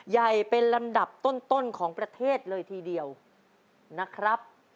ใหญ่เป็นลำดับต้นของประเทศเลยทีเดียวนะครับ